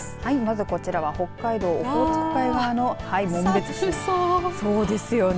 はいまずこちらは北海道オホーツク海は紋別市そうですよね。